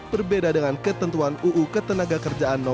berbeda dengan ketentuan uu ketenaga kerjaan no tiga belas